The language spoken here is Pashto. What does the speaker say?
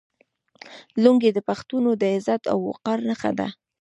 لونګۍ د پښتنو د عزت او وقار نښه ده.